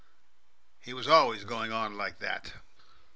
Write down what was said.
He was always going on like that.